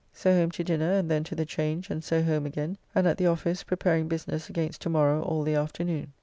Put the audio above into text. So home to dinner, and then to the Change, and so home again, and at the office preparing business against to morrow all the afternoon.